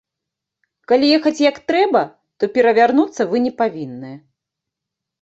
Калі ехаць як трэба, то перавярнуцца вы не павінны.